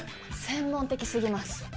専門的すぎます